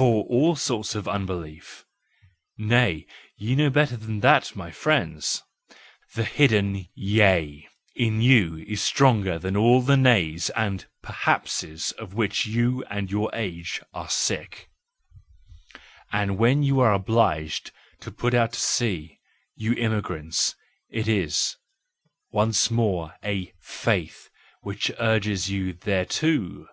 For all sorts of unbelief? Nay, you know better than that, my friends! The hidden Yea in you is stronger than all the Nays and Perhapses, of which you and your age are sick; 346 THE JOYFUL WISDOM, V and when you are obliged to put out to sea, you emigrants, it is—once more a faith which urges you thereto! .